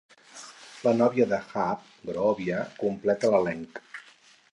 La núvia de Hap, Groovia, completa l'elenc.